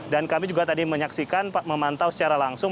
dan kami juga tadi menyaksikan memantau secara langsung